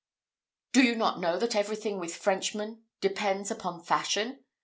Do you not know that everything with Frenchmen depends upon fashion?